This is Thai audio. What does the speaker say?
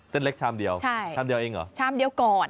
เล็กชามเดียวชามเดียวเองเหรอชามเดียวก่อน